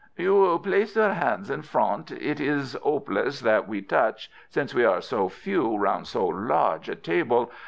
"You will place your hands in front. It is hopeless that we touch, since we are so few round so large a table.